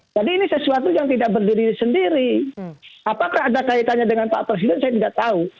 jadi ini sesuatu yang tidak berdiri sendiri apakah ada kaitannya dengan pak presiden saya gak tahu